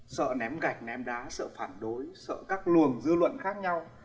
sợ ném gạch ném đá sợ phản đối sợ các luồng dư luận khác nhau